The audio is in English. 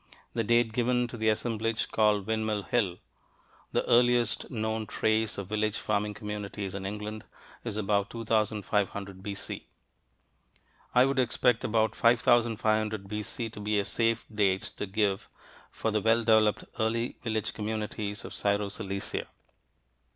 The date given to the assemblage called Windmill Hill, the earliest known trace of village farming communities in England, is about 2500 B.C. I would expect about 5500 B.C. to be a safe date to give for the well developed early village communities of Syro Cilicia.